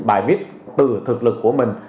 bài viết từ thực lực của mình